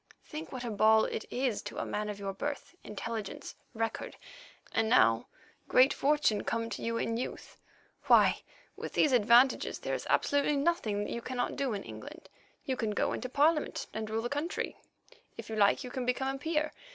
Think what a ball it is to a man of your birth, intelligence, record, and now, great fortune come to you in youth. Why, with these advantages there is absolutely nothing that you cannot do in England. You can go into Parliament and rule the country; if you like you can become a peer.